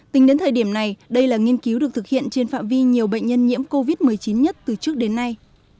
tính đến thời điểm này đây là nghiên cứu được thực hiện trên phạm vi nhiều bệnh nhân nhiễm covid một mươi chín nhất từ trước đến nay